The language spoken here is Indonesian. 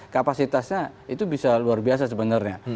kapasitasnya itu bisa luar biasa sebenarnya